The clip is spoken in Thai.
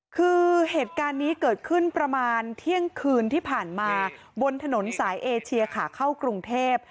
คือเหตุการณ์นี้เกิดขึ้นประมาณเที่ยงคืนที่ผ่านมาบนถนนสายเอเชียขาเข้ากรุงเทพ